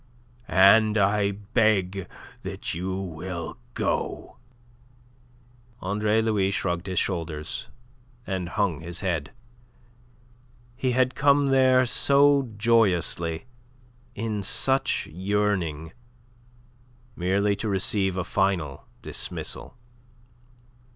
and I beg that you will go." Andre Louis shrugged his shoulders and hung his head. He had come there so joyously, in such yearning, merely to receive a final dismissal.